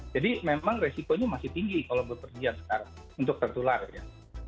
jadi memang resikonya masih tinggi kalau bekerja sekarang untuk tertular ya